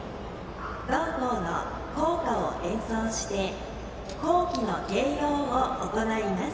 同校の校歌を演奏して校旗の掲揚を行います。